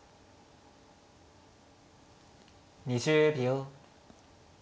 ２０秒。